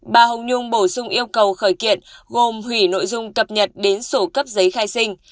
bà hồng nhung bổ sung yêu cầu khởi kiện gồm hủy nội dung cập nhật đến sổ cấp giấy khai sinh